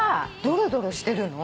ドロドロしてるの？